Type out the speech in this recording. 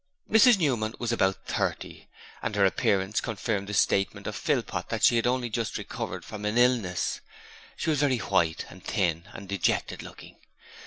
Mrs Newman was about thirty, and her appearance confirmed the statement of Philpot that she had only just recovered from an illness; she was very white and thin and dejected looking.